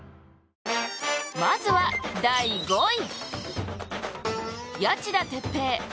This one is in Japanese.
まずは、第５位。